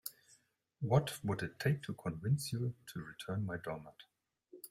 What would it take to convince you to return my doormat?